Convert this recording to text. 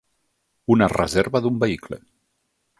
Una reserva d'un vehicle.